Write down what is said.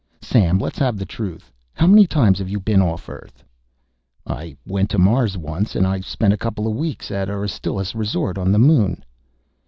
"Sam, let's have the truth. How many times have you been off Earth?" "I went to Mars once. And I spent a couple of weeks at Aristillus Resort on the Moon."